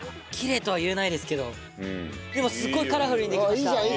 きれいとは言えないですけどでもすごいカラフルにできました。